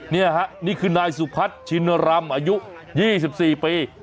นี่ค่ะนี่คือนายสุพัฒน์ชินรำอายุ๒๔ปี